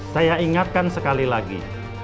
saya ingatkan sekali lagi